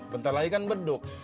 bentar lagi kan beduk